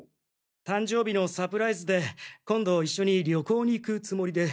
誕生日のサプライズで今度一緒に旅行に行くつもりで。